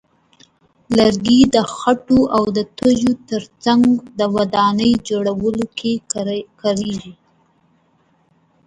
لرګي د خټو او تیږو ترڅنګ د ودانیو جوړولو کې کارېږي.